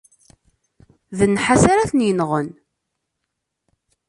D nnḥas ara tent-inɣen.